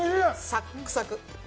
サックサク！